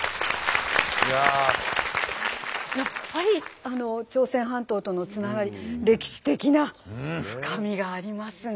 やっぱり朝鮮半島とのつながり歴史的な深みがありますね。